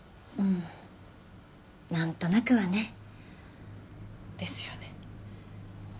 うんなんとなくはねですよね